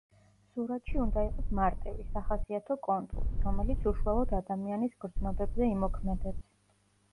სურათში უნდა იყოს მარტივი, სახასიათო კონტური, რომელიც უშუალოდ ადამიანის გრძნობებზე იმოქმედებს.